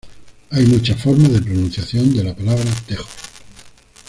Hay muchas formas de pronunciación de la palabra tejos.